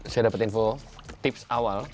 saya dapat info tips awal